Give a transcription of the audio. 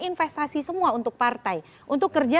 investasi semua untuk partai untuk kerja